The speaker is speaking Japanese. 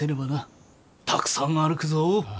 たくさん歩くぞ。